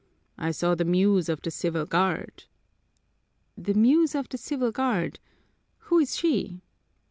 "I saw the Muse of the Civil Guard!" "The Muse of the Civil Guard? Who is she?"